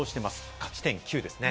勝ち点９です。